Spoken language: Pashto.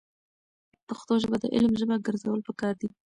پښتو ژبه د علم ژبه ګرځول پکار دي.